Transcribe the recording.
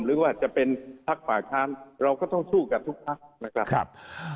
แต่ถ้าจะเป็นภาคผ่าค้านเราก็ต้องสู้กับทุกภาคนะครับ